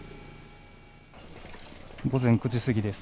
午前９時過ぎです。